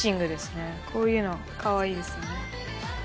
こういうのかわいいですね。